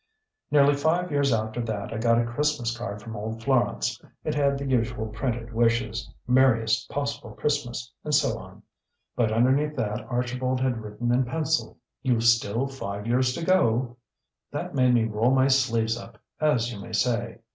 "Nearly five years after that I got a Christmas card from old Florance. It had the usual printed wishes, 'Merriest possible Christmas, and so on,' but underneath that Archibald had written in pencil, 'You've still five years to go.' That made me roll my sleeves up, as you may say.